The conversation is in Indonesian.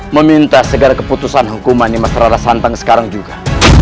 meminta segala keputusan hukuman nyi rata santang sekarang juga